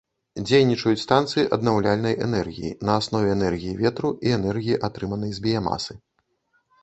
Дзейнічаюць станцыі аднаўляльнай энергіі на аснове энергіі ветру і энергіі, атрыманай з біямасы.